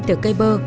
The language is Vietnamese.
từ cây bơ